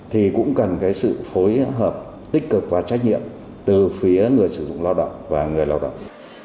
thì cũng cần sự phối hợp tích cực và trách nhiệm từ phía người sử dụng lao động và người lao động